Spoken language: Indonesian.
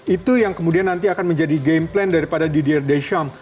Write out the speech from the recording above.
itu yang kemudian nanti akan menjadi game plan daripada drdsm